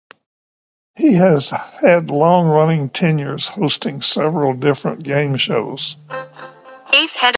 He has had long-running tenures hosting several different game shows.